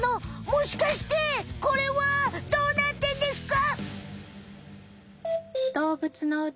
もしかしてこれはどうなってんですか！？